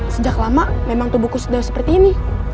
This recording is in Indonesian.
sejak lama memang tubuhku sudah seperti ini